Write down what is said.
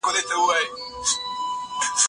دوی د ټولني ستونزې څیړلې.